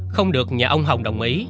không được nhà ông hồng đồng ý